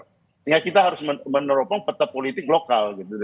sehingga kita harus menerobong peta politik lokal